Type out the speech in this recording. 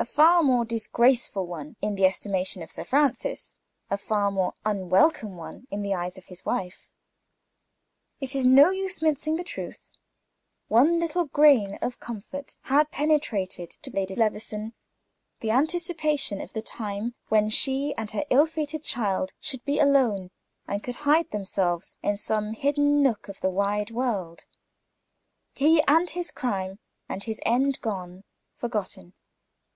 A far more disgraceful one in the estimation of Sir Francis; a far more unwelcome one in the eyes of his wife. It is no use to mince the truth, one little grain of comfort had penetrated to Lady Levison; the anticipation of the time when she and her ill fated child should be alone, and could hide themselves in some hidden nook of the wide world; he, and his crime, and his end gone; forgotten.